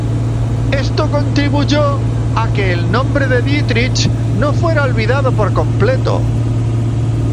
Esto contribuyó a que el nombre de Dietrich no fuera olvidado por completo.